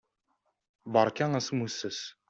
Beṛka asmusses!